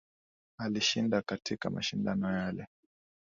Alishinda katika mashindano yale